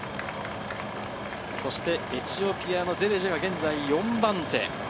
そしてエチオピアのデレッジェが現在４番手。